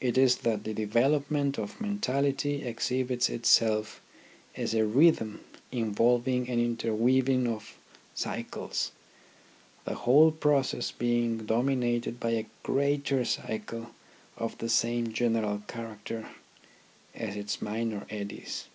It is that the development of mentality exhibits itself as a rhythm involving an interweaving of cycles, the whole process being dominated by a greater cycle of the same general character as its minor eddies.